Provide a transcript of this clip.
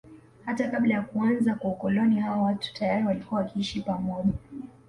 Hata kabla ya kuanza kwa ukoloni hawa watu tayari walikuwa wakiishi pamoja